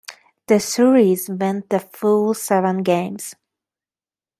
The series went the full seven games.